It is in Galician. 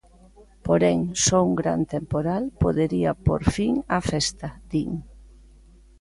Porén, "só un gran temporal podería pór fin á festa", din.